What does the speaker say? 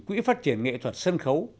quỹ phát triển nghệ thuật sân khấu